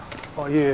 いえ